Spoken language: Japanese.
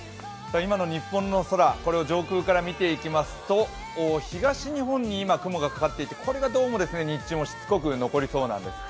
今の日本の空を上空から見ていきますと、東日本に今、雲がかかっていて、これがどうも日中もしつこく残りそうなんです。